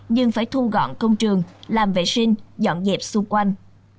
nhưng phải thu gọn công trường làm vệ sinh dọn dẹp xung quanh